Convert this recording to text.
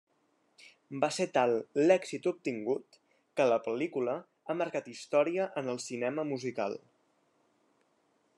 Va ser tal l'èxit obtingut, que la pel·lícula ha marcat història en el cinema musical.